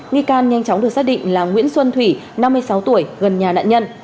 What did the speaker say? nghi can nhanh chóng được xác định là nguyễn xuân thủy năm mươi sáu tuổi gần nhà nạn nhân